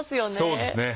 そうですね。